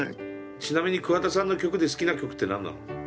ちなみに桑田さんの曲で好きな曲って何なの？